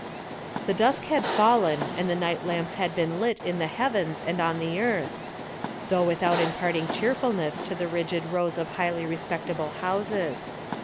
The dusk had fallen and the night lamps had been lit in the heavens and on the earth, though without imparting cheerfulness to the rigid rows of highly respectable houses.